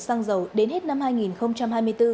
xăng dầu đến hết năm hai nghìn hai mươi bốn